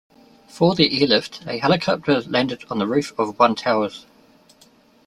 For the airlift a helicopter landed on the roof of one towers.